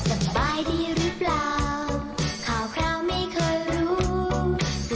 แอบด้วยมอง